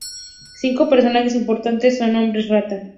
Cinco personajes importantes son hombres rata.